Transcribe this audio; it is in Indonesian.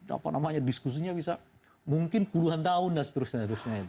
apa namanya diskusinya bisa mungkin puluhan tahun dan seterusnya terus